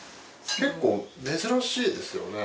結構珍しいですよね。